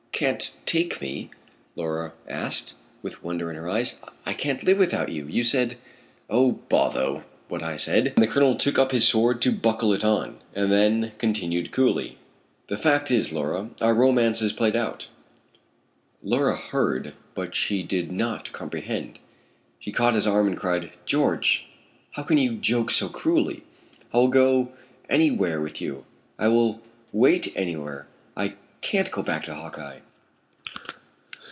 "Can't take me?" Laura asked, with wonder in her eyes. "I can't live without you. You said " "O bother what I said," and the Colonel took up his sword to buckle it on, and then continued coolly, "the fact is Laura, our romance is played out." Laura heard, but she did not comprehend. She caught his arm and cried, "George, how can you joke so cruelly? I will go any where with you. I will wait any where. I can't go back to Hawkeye."